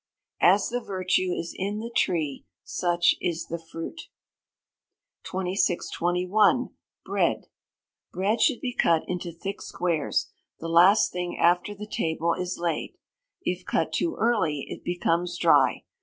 [AS THE VIRTUE IS IN THE TREE, SUCH IS THE FRUIT.] 2621. Bread. Bread should be cut into thick squares, the last thing after the table is laid. If cut too early it becomes dry.